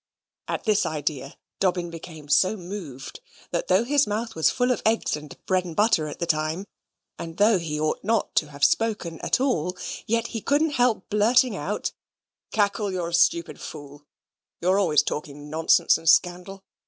At this idea Dobbin became so moved, that though his mouth was full of eggs and bread and butter at the time, and though he ought not to have spoken at all, yet he couldn't help blurting out, "Cackle, you're a stupid fool. You're always talking nonsense and scandal.